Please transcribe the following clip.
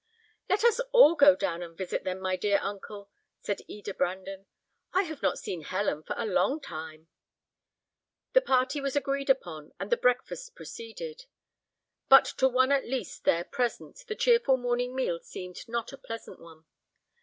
"Let us all go down and visit them, my dear uncle," said Eda Brandon. "I have not seen Helen for a long time." The party was agreed upon, and the breakfast proceeded; but to one at least there present, the cheerful morning meal seemed not a pleasant one.